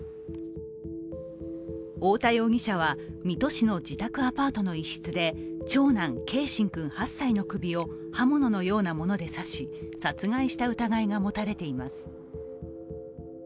太田容疑者は水戸市の自宅アパートの一室で長男・継真君８歳の首を刃物のようなもので刺し殺害した疑いが持たれています。